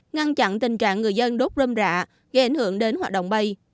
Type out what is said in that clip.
ngăn chặn tình trạng người dân đốt rơm rạ gây ảnh hưởng đến hoạt động bay